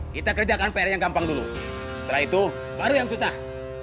kita kerjakan pr yang gampang dulu setelah itu baru yang susah